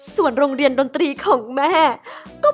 ส่วนโรงเรียนดนตรีของแม่ก็